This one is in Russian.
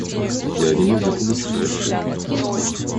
Я не могу получить расчет.